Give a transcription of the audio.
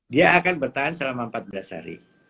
dia akan bertahan selama empat belas hari